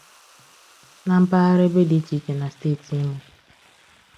Na mpaghara ebe dị iche iche iche na steeti Imo